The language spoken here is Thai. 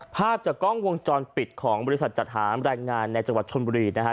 ภาพจากกล้องวงจรปิดของบริษัทจัดหาแรงงานในจังหวัดชนบุรีนะฮะ